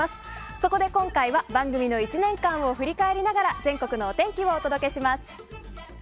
そこで今回は番組の１年間を振り返りながら全国のお天気をお届けします。